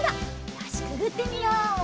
よしくぐってみよう。